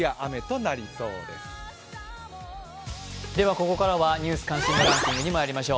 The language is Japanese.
ここからは「ニュース関心度ランキング」にまいりましょう。